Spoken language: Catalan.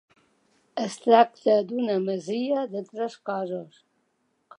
Es tracta d'una masia de tres cossos.